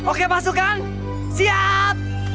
oke pasukan siap